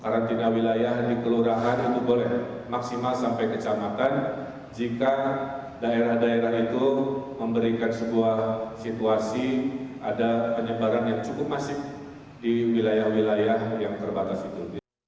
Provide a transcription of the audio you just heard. karantina wilayah di kelurahan itu boleh maksimal sampai kecamatan jika daerah daerah itu memberikan sebuah situasi ada penyebaran yang cukup masif di wilayah wilayah yang terbatas itu